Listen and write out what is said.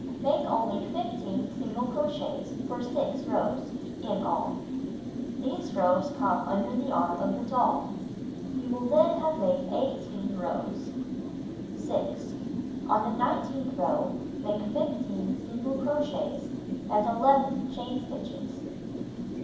Make only 15 single crochets for 6 rows (in all) . These rows come under the arm of the doll. You will then have made 18 rows. 6. On the nine teenth row, make 15 single crochets and 11 chain stitches.